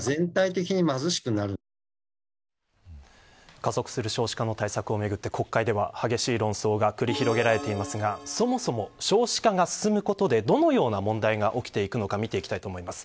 加速する少子化の対策をめぐって、国会では激しい論争が繰り広げられていますがそもそも少子化が進むことでどのような問題が起きていくのか見ていきたいと思います。